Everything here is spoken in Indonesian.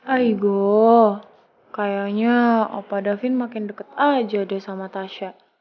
aigo kayaknya opa davin makin deket aja deh sama tasha